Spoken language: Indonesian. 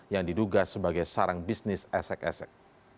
yang diduga sebagai sarang bisnis esek esek